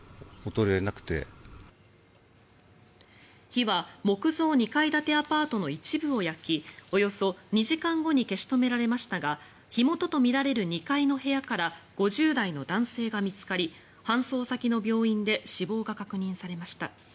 火は木造２階建てアパートの一部を焼きおよそ２時間後に消し止められましたが火元とみられる２階の部屋から５０代の男性が見つかり搬送先の病院で死亡が確認されました。